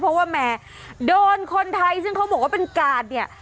เพราะว่าแหมโดนคนไทยซึ่งเขาบอกว่าเป็นกาดเนี่ย